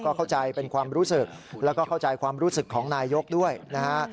เข้าใจเป็นความรู้สึกแล้วก็เข้าใจความรู้สึกของนายกด้วยนะฮะ